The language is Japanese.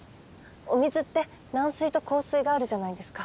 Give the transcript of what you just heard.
お水って軟水と硬水があるじゃないですか。